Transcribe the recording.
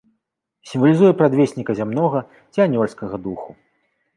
Сімвалізуе прадвесніка зямнога ці анёльскага духу.